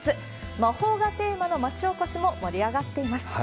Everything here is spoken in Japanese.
魔法がテーマの町おこしも盛り上がっています。